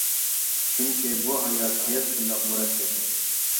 چۈنكى بۇ ھايات، ھايات شۇنداق مۇرەككەپ.